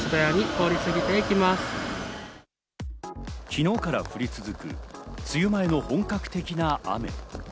昨日から降り続く梅雨前の本格的な雨。